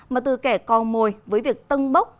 mà từ kẻ co mồi với việc tâng bốc